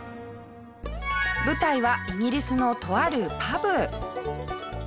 舞台はイギリスのとあるパブ。